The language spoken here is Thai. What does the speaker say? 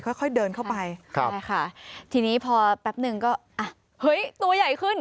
เฮ่ยตัวใหญ่ขึ้น